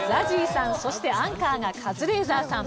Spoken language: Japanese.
ＺＡＺＹさんそしてアンカーがカズレーザーさん。